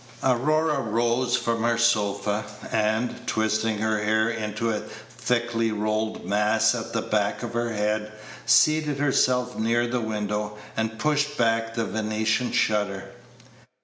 Aurora rose from her sofa, and, twisting her hair into a thickly rolled mass at the back of her head, seated herself near the window, and pushed back the Venetian shutter.